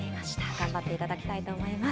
頑張っていただきたいと思います。